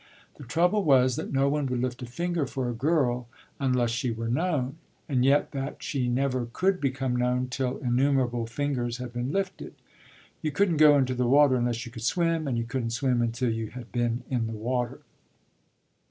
The trouble was that no one would lift a finger for a girl unless she were known, and yet that she never could become known till innumerable fingers had been lifted. You couldn't go into the water unless you could swim, and you couldn't swim until you had been in the water.